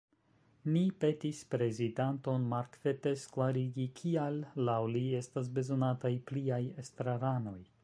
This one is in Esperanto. Ni petis prezidanton Mark Fettes klarigi, kial laŭ li estas bezonataj pliaj estraranoj.